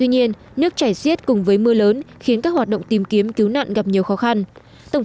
nước chảy xiết cùng với mưa lớn khiến các hoạt động tìm kiếm cứu nạn gặp nhiều khó khăn tổng